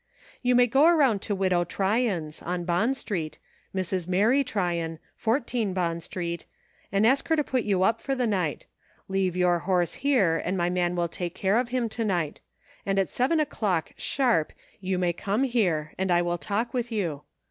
You may go around to Widow Tryon's, on Bond Street, Mrs. Mary Tryon, 14 Bond Street, and ask her to put you up for the night ; leave your horse here, and my man will take care of him to night ; and at seven o'clock sharp you may come here, and I will talk with you.